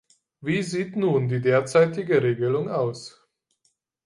Wie sieht nun die derzeitige Regelung aus?